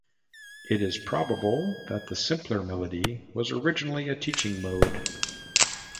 It is probable that the simpler melody was originally a teaching mode.